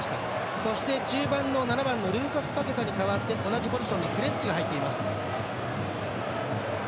そして、中盤７番ルーカス・パケタに代わって同じポジションにフレッジが入っています。